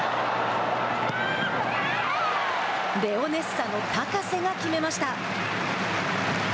レオネッサの高瀬が決めました。